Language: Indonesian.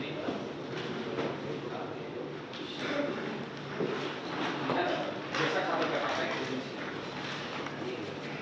biasa satu paper bag di sini